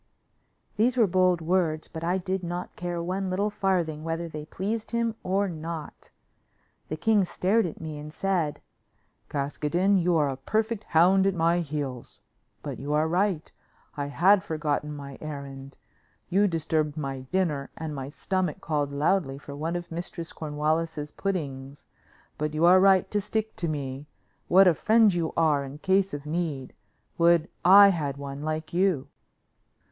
These were bold words, but I did not care one little farthing whether they pleased him or not. The king stared at me and said: "Caskoden, you are a perfect hound at my heels. But you are right; I had forgotten my errand. You disturbed my dinner, and my stomach called loudly for one of Mistress Cornwallis's puddings; but you are right to stick to me. What a friend you are in case of need. Would I had one like you."